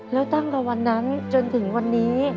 แล้วตั้งแต่วันนั้นจนถึงวันนี้